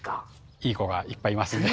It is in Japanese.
いい子がいっぱいいますので。